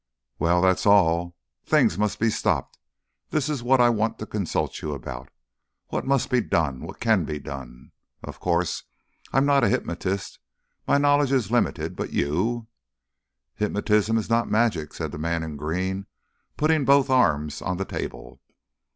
"Well that's all. Things must be stopped. That is what I want to consult you about. What must be done? What can be done? Of course I'm not a hypnotist; my knowledge is limited. But you ?" "Hypnotism is not magic," said the man in green, putting both arms on the table.